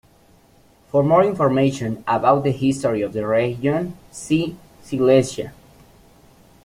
For more information about the history of the region, see Silesia.